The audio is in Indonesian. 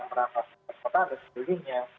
yang merangkap ke kota atau sebagainya